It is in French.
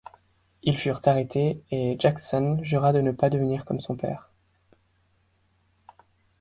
Ils furent arrêtés et Jackson jura de ne pas devenir comme son père.